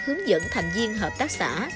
hướng dẫn thành viên hợp tác xã